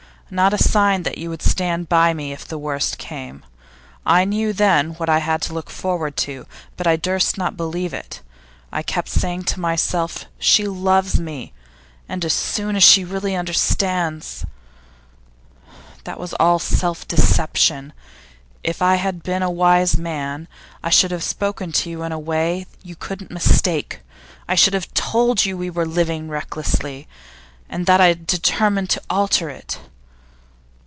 Not a sign in you that you would stand by me if the worst came. I knew then what I had to look forward to, but I durst not believe it. I kept saying to myself: "She loves me, and as soon as she really understands " That was all self deception. If I had been a wise man, I should have spoken to you in a way you couldn't mistake. I should have told you that we were living recklessly, and that I had determined to alter it.